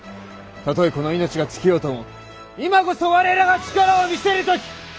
たとえこの命が尽きようとも今こそ我らが力を見せる時。